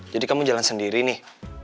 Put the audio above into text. jadi kamu jalan sendiri nih